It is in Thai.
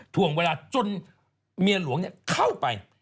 ถ่วงเวลาจนเมียหลวงเข้าไป